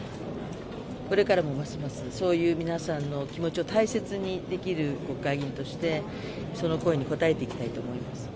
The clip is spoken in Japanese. これからもますます、そういう皆さんの気持ちを大切にできる国会議員としてその声に応えていきたいと思います。